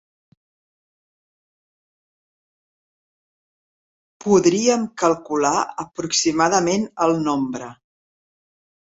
Podíem calcular aproximadament el nombre